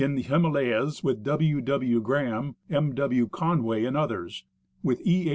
X PREFACE Himalayas with W. W. Graham, W. M, Conway and others ; with E. A.